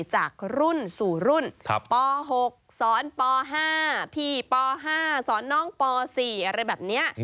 จากรุ่นสู่รุ่นป๖สอนป๕พี่ป๕สอนน้องป๔อะไรแบบนี้